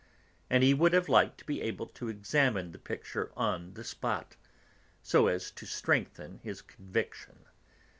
And he would have liked to be able to examine the picture on the spot, so as to strengthen his conviction.